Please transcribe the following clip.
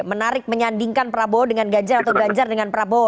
menarik menyandingkan prabowo dengan gajar atau gajar dengan prabowo